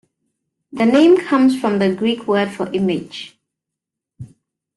The name comes from the Greek word for "image".